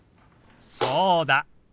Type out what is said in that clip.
そうだ！